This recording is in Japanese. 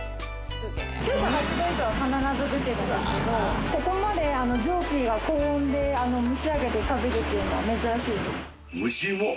９８度以上は必ず出てるんですけどここまで蒸気が高温で蒸しあげて食べるっていうのは珍しい。